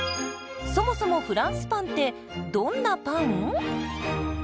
そもそもフランスパンってどんなパン？